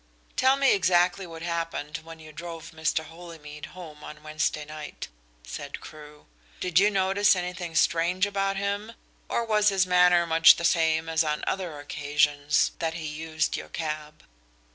"Tell me exactly what happened when you drove Mr. Holymead home on Wednesday night," said Crewe. "Did you notice anything strange about him, or was his manner much the same as on other occasions that he used your cab?"